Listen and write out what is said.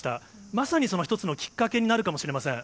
まさにその一つのきっかけになるかもしれません。